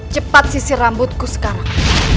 cepat sisir rambutku sekarang